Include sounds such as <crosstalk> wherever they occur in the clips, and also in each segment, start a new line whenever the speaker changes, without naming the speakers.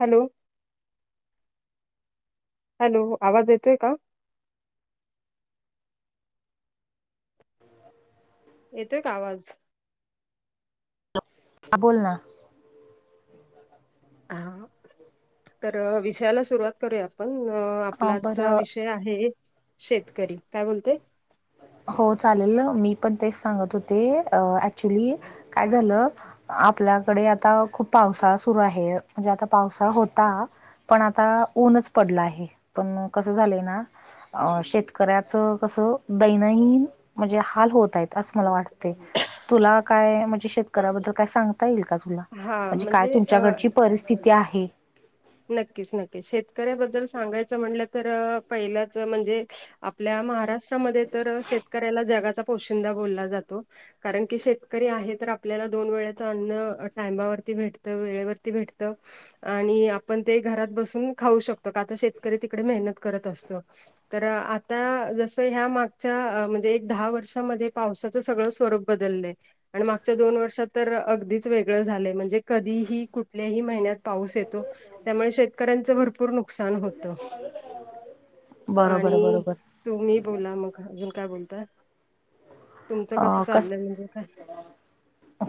Hello hello आवाज येतोय का येतोय का आवाज
हॅलो ह बोल ना
हा तर विषयाला सुरुवात करूया आपण आपलाचा
बरं
विष आहे शेतकरी काय बोलते
हो चालेल मी पण तेच सांगत होते ऍक्च्युली काय झालं आपल्याकडे आता खूप पावसाळा सुरू आहे म्हणजे आता पावसाळा होता पण आता ऊनच पडला आहे पण कसं झालंय ना अ शेतकऱ्याचं कसं दैनंदन म्हणजे हाल होत आहेत असं मला वाटते तुला काय म्हणजे शेतकऱ्याबद्दल काय सांगता येईल का तुला
हा
म्हणजे काय
अ,
तुमच्याकडची परिस्थिती आहे
नक्कीच नक्कीच शेतकऱ्याबद्दल सांगायचं म्हणलं तर पहिलंच म्हणजे आपल्या महाराष्ट्र तर शेतकऱ्याला जगाचा पोशिंदा बोलला जातो कारण की शेतकरी आहे तर आपल्याला दोन वेळेच अन्न टामावरती भेटतं वेळेवरती भेटतं आणि आपण ते घरात बसून खाऊ शकतो का आता शेतकरी तिकडे मेहनत करत असतो तर आता जसं ह्या मागच्या म्हणजे एक दहा वर्षामध्ये पावसाचं सगळं स्वरूप बदल आणि मागच्या दोन वर्षात तर अगदीच वेगळं झालं म्हणजे कधीही कुठल्याही महिन्यात पाऊस येतो त्यामुळे शेतकऱ्यांचं भरपूर नुकसान होत
बरोबर
आणि
बरोबर
तुम्ही बोला मग अजून काय बोलता तुमचं
अ
कसं चाललंय म्हणजे काय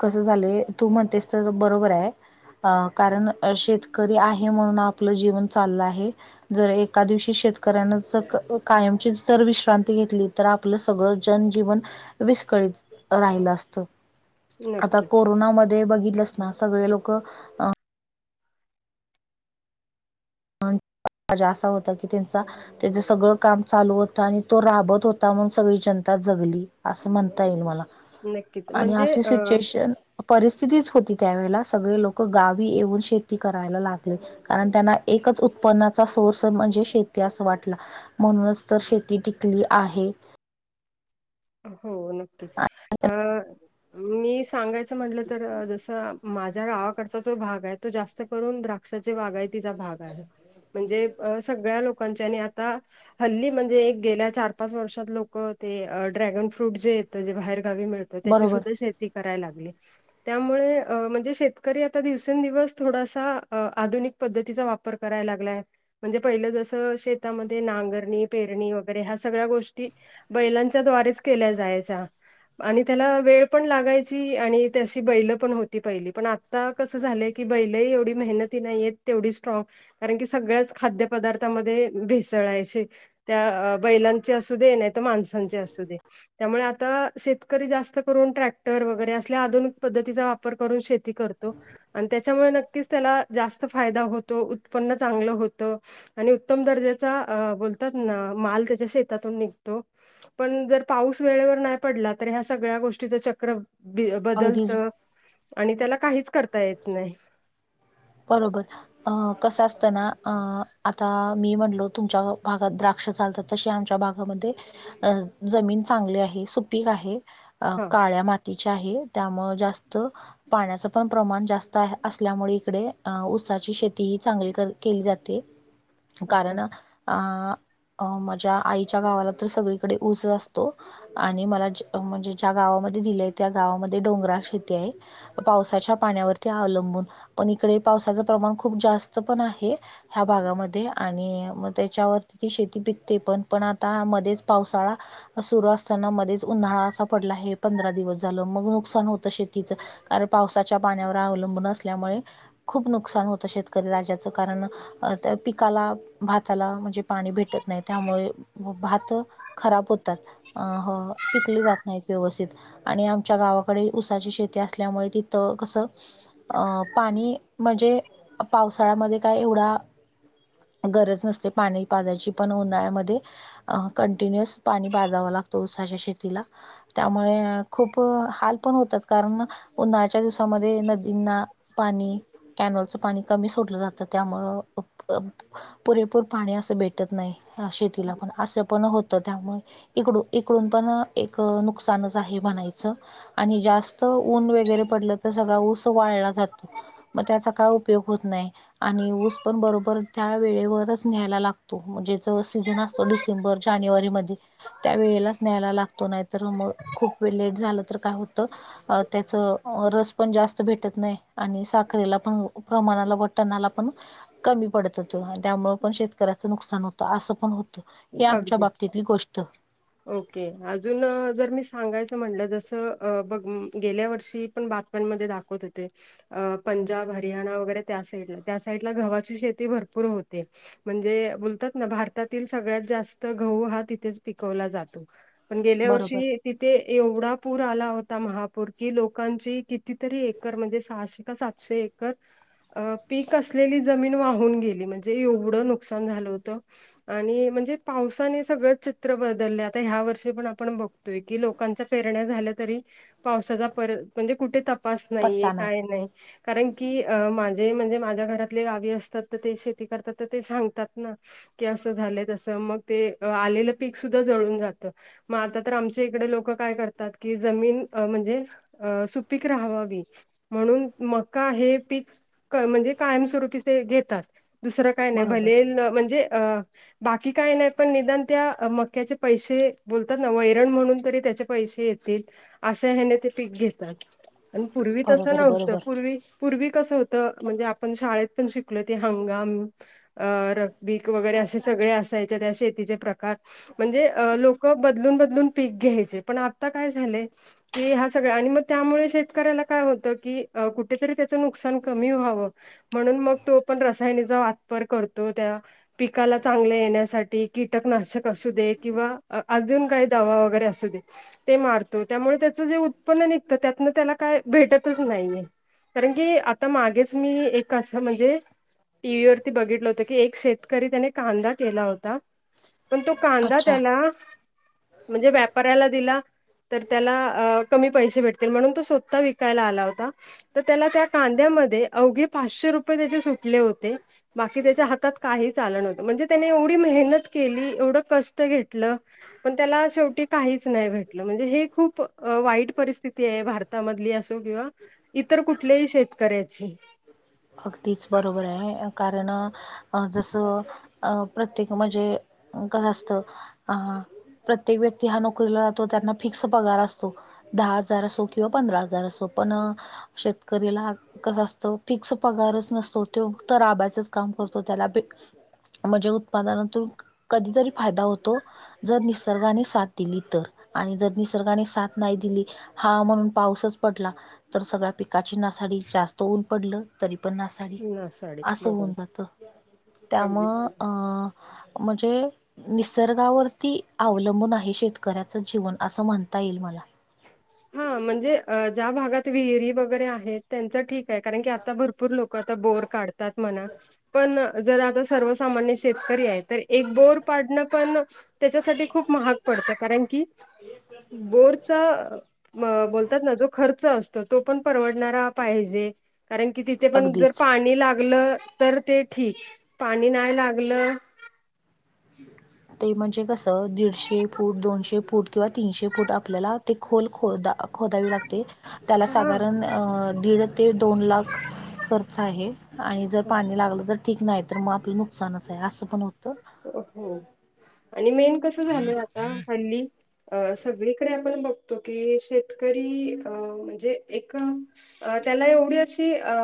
कस झाले तू म्हणतेस तर बरोबर आहे कारण शेतकरी आहे हे म्हणून आपलं जीवन चाललं आहे जर एका दिवशी शेतकऱ्यान ज कायमची जर विश्रांती घेतली तर आपलं सगळं जनजीवन विस्कळीत राहिलं असत आता
नक्कीच
कोरोनामध्ये बघितलं सगळे लोक असा होता की त्यांचा त्याच सगळं काम चालू होत आणि तो राबत होता म्हणून सगळी जनता जगली असं म्हणता येईल मला
नक्कीच
आणि
म्हणजे
असे
अ
सिच्युएशन परिस्थितीच होती त्यावेळेला सगळे लोक गावी येऊन शेती करायला लागले कारण त्यांना एकच उत्पन्नाचा सोर्स म्हणजे शेती अस वाटला म्हणूनच तर शेती टिकली आहे
हो नक्कीच अह मी सांगायचं म्हटलं तर जसं माझ्या गावाकडचा जो भाग आहे तो जास्त करून द्राक्षाची बागायतीचा भाग आहे तो म्हणजे अह सगळ्या लोकांच्या आणि आता हल्ली म्हणजे एक गेल्या चार पाच वर्षात लोक ते ड्रॅगन फ्रूट जे येतं जे बाहेर गावी मिळतं त्याची
बरोबर
सुद्धा शेती कराय लागली त्यामुळे म्हणजे शेतकरी आता दिवसेंदिवस थोडासा आधुनिक पद्धतीचा वापर कराय लागलाय म्हणजे पहिलं जस शेतामध्ये नांगरणी पेरणी वगैरे ह्या सगळ्या गोष्टी बैलां च्या द्वारेच केल्या जायच्या आणि त्याला वेळ पण लागायची आणि ते अशी बैल पण होती पहिली पण आ आता कसं झालंय की बैल ही एवढी मेहनती नाहीयेत तेवढी स्ट्रॉग कारण की सगळ्याच खाद्य पदार्थामध्ये भेसळायचे त्या बैलांचे असू दे नाही तर माणसांचे असू दे त्यामुळे आता शेतकरी जास्त करून ट्रॅक्टर वगैरे असल्या आधुनिक पद्धतीचा वा पर करून शेती करतो आणि त्याच्यामुळे नक्कीच त्याला जास्त फायदा होतो उत्पन्न चांगलं होतं आणि उत्तम दर्जाचा अह बोलतात ना माल त्याच्या शेतातून निघतो पण जर पाऊस वेळेवर नाही पडला तर ह्या सगळ्या गोष्टीच चक्र
अगदीच
बदलतं आणि त्याला काहीच करता येत नाही
बरोबर. अह कसं असतना अह आता मी म्हणलो तुमच्या भागात द्राक्ष चालतात तशी आमच्या भागामध्ये अह जमीन चांगली आहे सुपीक आहे
हा
काळ्या माती तेच आहे त्यामुळे जास्त पाण्याच पण प्रमाण जास्त आहे असल्यामुळे इकडे अं ऊसाची शेती ही चांगली केली जाते
अच्छा
कारण अं अ माझ्या आईच्या गावाला तर सगळीकडे ऊस असतो. आणि मला म्हणजे ज्या गावामध्ये दिलेय त्या गावामध्ये डोंगराळ शेती आहे पावसाच्या पाण्यावरती अवलंबून, पण इकडे पावसाचं प्रमाण खूप जास्त पण आहे ह्या भागामध्ये, आणि मग त्याच्यावर तिथे शेती पिकते पण, पण आता मध्येच पावसाळा सुरु असताना, मध्येच उन्हाळा असा पडला आहे पंधरा दिवस झालं मग नुकसान होतं शेतीच कारण पावसाच्या पाण्यावर अवलंबून असल्यामुळे, खूप नुकसान होतं शेतकरी राजाचं, कारण अ, त्या पिकाला, भाताला म्हणजे पाणी भेटत नाही, त्यामुळे म भात खराब होतात, अ हम्म पिकले जात नाहीत व्यवस्थित आणि आमच्या गावाकडे ऊसाची शेती असल्यामुळे तिथं कसं, अं पाणी म्हणजे, पावसाळ्यामध्ये काय एवढा गरज नसते पाणी पाजायची पण उन्हाळ्यामध्ये अ कंटिन्युअस पाणी पाजावं लागतं, ऊसाच्या शेतीला त्यामुळे, खूप हाल पण होतात कारण म उन्हाळच्या दिवसामध्ये नदींना पाणी कॅनलचं पाणी कमी सोडलं जातं त्यामुळं <unintelligible> पुरेपूर पाणी असं भेटत नाही शेतीला पण असं पण होत त्यामुळे इकडू इकडून पण एक नुकसानच आहे म्हणायचं आणि जास्त स्त ऊन वगैर पडलं तर सगळा ऊस वाळला जातो मग त्याचा काय उपयोग होत नाही, आणि ऊस पण बरोबर त्या वेळेवरच न्यायला लागतो तो म्हणजे जो सीझन असतो डिसेंबर जानेवारीमध्ये त्या वेळेलाच न्यायला लागतो, नाही तर मग खूप वेळ लेट झालं तर काय हो त त्याच रस पण जास्त भेटत नाही, आणि साकरीला पण प्रमाणाला, बटणाला पण कमी पडत. आणि त्यामुळे पण शेतकऱ्याचं नुकसान होतं,, असं पण होतं,, ही आमच्या
अगदीच
बाबतीतली गोष्ट.
ओके,,, अजून जर मी सांगायचं म्हटलं,, जसं बघ गेल्या वर्षी पण बऽ पण मध्ये दाखवत होते. अ पंजाब, हरियाणा वगैरे त्या साईडला,, त्या साईडला गव्हाची शेती भरपूर होतेऽ म्हणजे,, बोलतात ना भारतातीलऽ सगळ्यात जास्त गहु हा तिथेच पिकवला जातो,, पण गेल्या
बरोबर
वर्षीऽ तिथे, एवढा पूर आला होता, महापूर,, कि लोकांची कितीतरी एकर,, म्हणजे सहाशे का सातऽ शे एकरऽ अ, पीक असलेली जमीन वाहून गेली,,, म्हणजे एवढं नुकसान झालं होतंऽ आणि, म्हणजे पावसाने सगळं चित्र बदललय,, आता ह्या वर्षी पण आपण बघतोय की लोकऽ लोकांच्या पेरण्या झाल्या तरी,, पावसाचा परत, म्हणजे कुठे तपास नाहीये,,
पत्ता नाही
काय नाहीये. कारण की,, अ माझे म्हणजे माझ्या घरातले गावी असतात,, तर ते शेती करतात तर ते सांगतात ना. की असं झालंय,, तस मग ते आलेलं पीक सुद्धा जळून जात. मग आता तर आमच्या इकडे लोक काय करतात, की जमीन म्हणजेऽ अ सुपीक राहावावी,, म्हणून मका हे पीकऽ म्हणजे कायमस्वरूपी ते घेतात,, दुसरं काय नाही,,
बरोबर
भले म्हणजे अऽ बाकी काही नाही पण निदान त्या मक्याचे पैसे,, बोलतात ना,, वैरण म्हणून तरी त्याच्याऽ पैसे येतील,, अशा ह्याने ते पीक घेतात,, प पूर्वी तसं
बरोबर
नव्हतं,,
बरोबर
पूर्वीऽ पूर्वी कसं होत? म्हणजे आपण शाळेत पण शिकलो ते हंगामऽ अ ऽरगबीक वगैरे असेऽ असायचे ते शेतीचे प्रकार, म्हणजे लोक बदलून बदलून ऽ पीक घ्यायचे,, पण आता काय झालेय? की ह्या सगळ्या, आणि मग त्यामुळे शेतकऱ्याला काय होतं, की कुठेतरी त्याचं नुकसान कमी व्हावंऽ म्हणून मग तो पण रसायनीचा वापर करतो,, त्या पिकालाऽ चांगले येण्यासाठी कीटकनाशक असू दे,, किंवा अजून काही दवा वगैरे असू देऽ ते मारतो,, त्यामुळे त्याचं जे उत्पन्न निघतं त्यातन त्याला काय भेटतच नाहीये. कारण की, आता मागेच मी एक असं म्हणजेऽ टी व्ही वरती बघितलं होतं की एक शेतकरी त्याने कांदा केला होता पण तो कांदा
अच्छा
त्याला म्हणजे व्यापाऱ्याला दिला. तर त्याला कमी पैसे भेटतील म्हणून तो स्वतः विकायला आला होता. तर त्याला त्या कांद्यामध्ये अवघे पाचशे रुपये त्याचे सुटले होते. बाकी त्याच्या हातात काही चालं नव्हत. म्हणजे त्याने एवढी मेहनत केली एवढं कष्ट घेतलं. पण त्याला शेवटी काहीच नाही भेटलं म्हणजे हे खूप वाईट परिस्थिती आहे भारत. मधली असो किंवा इतर कुठल्याही शेतकऱ्याची.
अगदीच बरोबर आहे कारण जस. अ प्रत्येक म्हणजे कसं असतं अ प्रत्येक व्यक्ती हा नोकरीला जातो त्यांना फिक्स पगार असतो दहा हजार असो किंवा पंधरा हजार असो पण शेतकरीला कसंत फिक्स. पगारच नसतो तो तर आबा्याचच काम करतो त्याला ब म्हणजे उत्पादनातून कधीतरी फायदा होतो. जर निसर्गाने साथ दिली तर आणि जर निसर्गाने साथ नाही दिली. हा म्हणून पाऊसच पडला तर सगळ्या पिकाची नासाडी जास्त ऊन पडल तरी पण नासा
नासाडी
अस
बरोबर
होऊन जात त्यामुळं
अगदीच
अ म्हणजे. निसर्गावरती अवलंबून आहे शेतकऱ्याचं जीवन असं म्हणता येईल मला
हा म्हणजे ज्या भागात विहिरी वगैरे आहेत. त्यांचं ठीक आहे कारण की आता भरपूर लोक आता बोर काढतात म्हणा पण. जर आता सर्वसामान्य शेतकरी आहे तर एक बोर पाडणं पण. त्याच्यासाठी खूप महाग पडत कारण की बोरचा. बोलतात ना जो खर्च असतो तो पण परवडणारा पाहिजे कारण की ति ते पण जर
अगदीच
पाणी लागलं तर ते ठीक पाणी नाही लागलं
ते म्हणजे कसं दीडशे फूट दोनशे फूट किंवा तीनशे फूट आपल्याला ते खोल खदा खोदावी लागते त्याला
हा
साधारण दीड ते दोन लाख खर्च आहे आणि जर पाणी लागलं तर ठीक नाही तर मग आपलं नुकसानच आहे असं पण होत
हो आणि मेन कस झालं आता हल्ली सगळीकडे आपण बघतो की शेतकरी अ म्हणजे एक अ त्याला एवढी अशी अ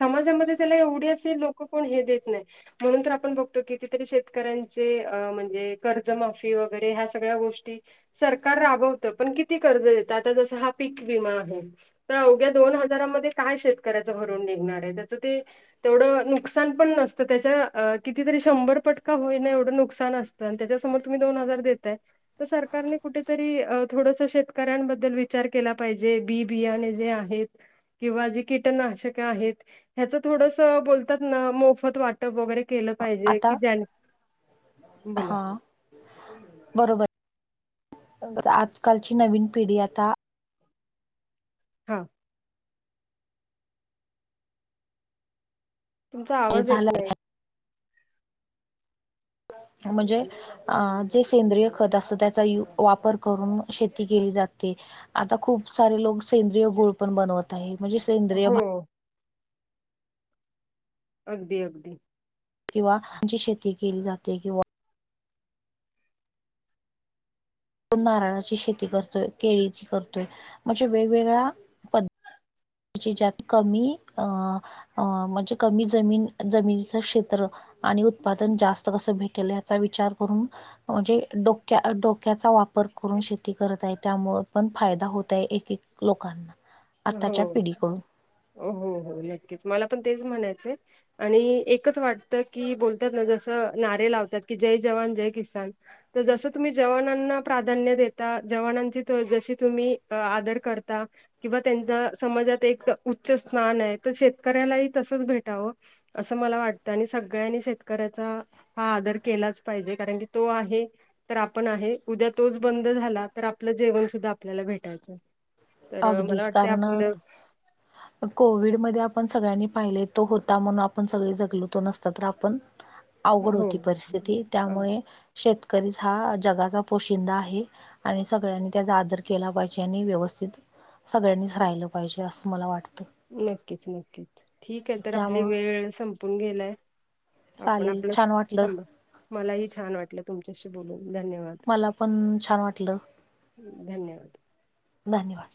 समाजामध्ये त्याला एवढी असशी लोक कोण हे देत नाही म्हणून तर आपण बघतो की कितीतरी शेतकऱ्यांचे अ म्हणजे कर्जमाफी वगैरे ह्या सगळ्या गोष्टी सरकार राबवत पण किती कर्ज देत आता जसं हा पीक विमा आहे तर अवघ्या दोन हजारामध्ये काय शेतकऱ्याचं भरून निघणार आहे त्याचं ते तेवढं नुकसान पण नतं त्याच्या कितीरी शंभर पटका होईना एवढं नुकसान असतं आणि त्याच्यासमोर तुम्ही दोन हजार दताय तर सरकारने कुठेतरी थोडस शेतकऱ्यांबद्दल विचार केला पाहिजे बी बियाणे जे आहेत किंवा जी कीटनाशक आहेत ह्याच थोडस बोलतात ना मोफत वाट वगैरे केलं पाहिजे
आता
की ज्या बोला
हा बरोबर आजकालची नवीन पिढी आता
हां तुमचा
जे
आवाज
झालं
येत नाही
म्हणजे अ जे सेंद्रिय खत असत त्याचा वापर करून शेती केली जाते आता खूप सारे लोक सेंद्रिय गुळ पण बनवत आहे म्हणजे सेंद्रिय
हो
भा
अगदी अगदी
किंवाची शेती केली जाते किंवा ो नारळाची शेती करतोय केळीची करतोय म्हणजे वेगवेगळ्या त कमी अ म्हणजे कमी जमीन जमिनीचं क्षेत्र आणि उत्पादन जास्त कसं भेटेल याचा विचार करून म्हणजे डोक्या डोक्याचा वापर करून शेती करत आहे त्यामु पण फायदा होत आहे एक लोकांना आताच्या पिढीकडून.
हो हो हो नक्कीच मला पण तेच म्हणायचंय आणि एकच वाटतं की बोलतात ना जसं नारे लावतात की जय जवान जय किसान तर जसं तुम्ही जवानांना प्राधान्य देता जवानांची जशी तुम्ही आधर करता किंवा त्यांच्या समाजात एक उच्च स्थान आहे तर शेतकऱ्यालाही तसच भेटावं असं मला वाटतं आणि सगळ्यांनी शेतकऱ्याचा हा आदर केलाच पाहिजे कारण की तो आहे तर आपण आहे उद्या तोच बंद झाला तर आपलं जेवण सुद्धा आपल्याला भेटायचं तर अ, मला
अगदीच
वाटतं
कारणं
आपलं
कोविड म आपण सगळ्यांनी पाहिले तो होता म्हणून आपण सगळे जगलतो नसत तर आपण
ह
अवघड होती परिस्थिती त्यामुळे शेतकरीच हा जगाचा पोशिंदा आहे आणि सगळ्यांनी त्याचा आदर केला पाहिजे आणि व्यवस्थित सगळ्यांनीच राहिलं पाहिजे असं मला वाटतं
नक्कीच नक्कीच ठीक आहे तर आपली
त्यामुळं
वेळ संपून गेलाय आपण
चालेल
आपलं
छान वाटलं
सां मलाही छान वाटलं तुमच्याशी बोलून धन्यवाद
मला पण छान वाटलं
धन्यवाद
धन्यवाद